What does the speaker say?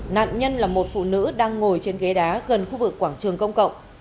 nạn nhân là một phụ nữ đang ngồi trên ghế đá gần khu vực quảng trường công cộng